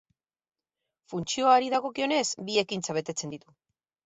Funtzioari dagokionez, bi ekintza betetzen ditu.